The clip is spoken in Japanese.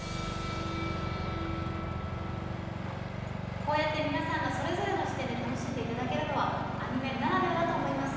こうやって皆さんがそれぞれの視点で楽しんでいただけるのはアニメならではだと思います。